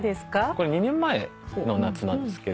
これ２年前の夏なんですけど。